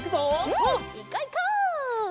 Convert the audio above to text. うんいこういこう！